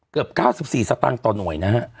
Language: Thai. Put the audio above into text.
เกือบ๙๔สตางค์ต่อหน่วยนะฮะ